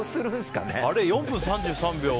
あれ、「４分３３秒」